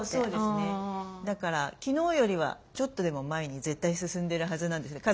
だから昨日よりはちょっとでも前に絶対進んでるはずなんですね。